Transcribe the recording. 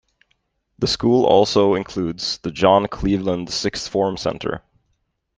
The school also includes the John Cleveland Sixth Form Centre.